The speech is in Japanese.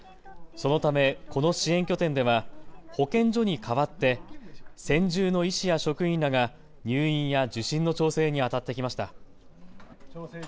そのためこの支援拠点では保健所に代わって専従の医師や職員らが入院や受診の調整にあたってきました。